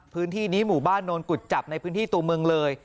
พื้นที่นี้หมู่บ้านโนนกุจจับในพื้นที่ตัวเมืองเลย